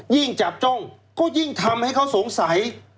ยิ่งจับจ้องก็ยิ่งทำให้เขาสงสัย